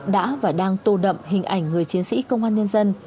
đã và đang tô đậm hình ảnh người chiến sĩ công an nhân dân